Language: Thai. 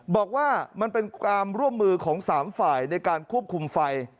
บอกว่ามันเป็นความร่วมมือของ๓ฝ่ายในการควบคุมไฟ